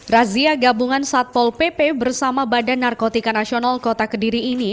razia gabungan satpol pp bersama badan narkotika nasional kota kediri ini